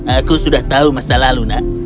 aku sudah tahu masalah luna